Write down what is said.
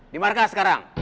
di markas sekarang